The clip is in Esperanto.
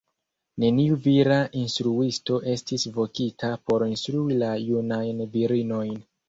Neniu vira instruisto estis vokita por instrui la junajn virinojn.